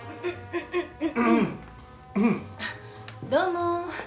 どうも。